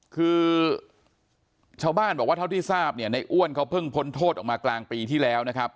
คือชาวบ้านบอกว่าเท่าที่ทราบเนี่ยในอ้วนเขาเพิ่งพ้นโทษออกมากลางปีที่แล้วนะครับ